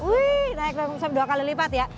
wih naikin omset dua kali lipat ya